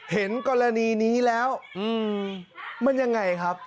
เห็นกรณีนี้แล้วมันยังไงครับ